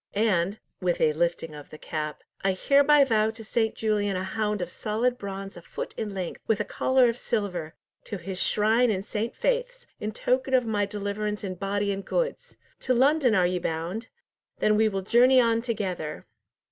"And" (with a lifting of the cap) "I hereby vow to St. Julian a hound of solid bronze a foot in length, with a collar of silver, to his shrine in St. Faith's, in token of my deliverance in body and goods! To London are ye bound? Then will we journey on together!"